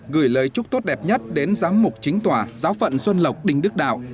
gửi lời chúc tốt đẹp nhất đến giám mục chính tòa giáo phận xuân lộc đinh đức đạo